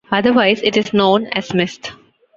Otherwise it is known as mist.